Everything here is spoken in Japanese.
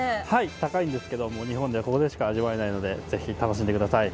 高いですけど日本でここでしか味わえないので安心して楽しんでください。